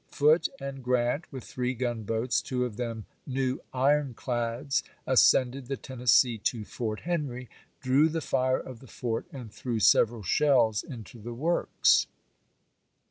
Foote and Grant, with three gunboats, two of them new ironclads, ascended the Tennessee to Fort Henry, drew the fire of the fort, and threw several shells into the works.